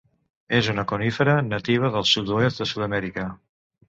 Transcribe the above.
És una conífera nativa del sud-oest de Sud-amèrica.